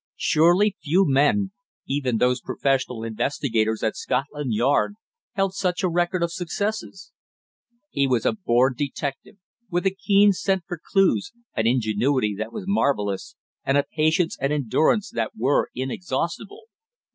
Surely few men, even those professional investigators at Scotland Yard, held such a record of successes. He was a born detective, with a keen scent for clues, an ingenuity that was marvellous, and a patience and endurance that were inexhaustible.